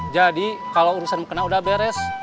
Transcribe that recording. jadi kalau urusan bekana udah beres